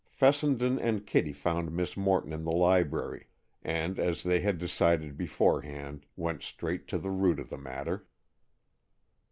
Fessenden and Kitty found Miss Morton in the library, and, as they had decided beforehand, went straight to the root of the matter.